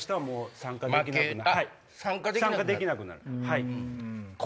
参加できなくなるんです。